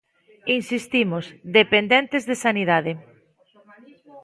Insistimos: dependentes de Sanidade.